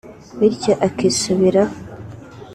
bityo akisubiraho